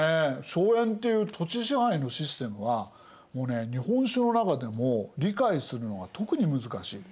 荘園っていう土地支配のシステムはもうね日本史の中でも理解するのが特に難しい。